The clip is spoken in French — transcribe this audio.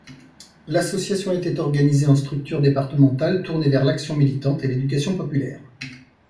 L'association était organisée en structures départementales tournées vers l'action militante et l'éducation populaire.